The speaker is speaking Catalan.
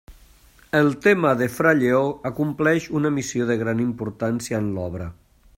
El tema de fra Lleó acompleix una missió de gran importància en l'obra.